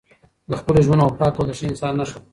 د خپلو ژمنو وفا کول د ښه انسان نښه ده.